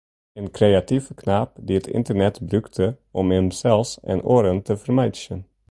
In kreative knaap, dy’t it ynternet brûkte om himsels en oaren te fermeitsjen.